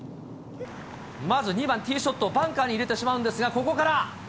まず、２番ティーショット、バンカーに入れてしまうんですが、ここから。